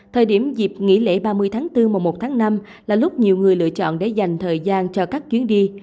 thời điểm dịp nghỉ lễ ba mươi tháng bốn mùa một tháng năm là lúc nhiều người lựa chọn để dành thời gian cho các chuyến đi